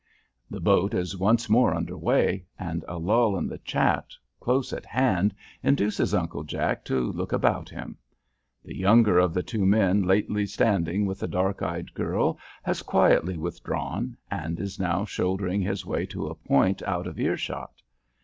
The boat is once more under way, and a lull in the chat close at hand induces Uncle Jack to look about him. The younger of the two men lately standing with the dark eyed girl has quietly withdrawn, and is now shouldering his way to a point out of ear shot.